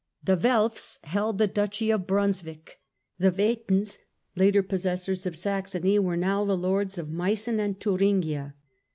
The Welfs held the Duchy of Brunswick ; the Wettins, later possessors of Saxony, were now the lords of Meissen and Thuringia.